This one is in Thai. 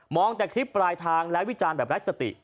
แต่คลิปปลายทางและวิจารณ์แบบไร้สติ